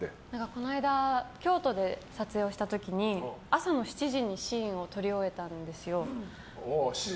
この間、京都で撮影をした時に朝の７時にシーンを撮り終えたんですよ。